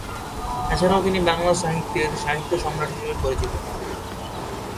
এছাড়াও তিনি বাংলা সাহিত্যের সাহিত্য সম্রাট হিসেবে পরিচিত।